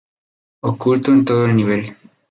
Oculto en todo el nivel.